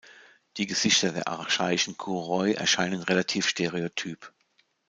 Die Gesichter der archaischen Kouroi erscheinen relativ stereotyp.